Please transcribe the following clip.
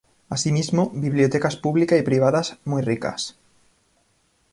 Asimismo, bibliotecas pública y privadas muy ricas.